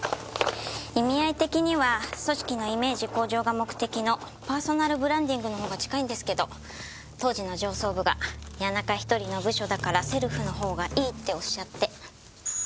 意味合い的には組織のイメージ向上が目的のパーソナルブランディングのほうが近いんですけど当時の上層部が谷中一人の部署だからセルフのほうがいいっておっしゃって。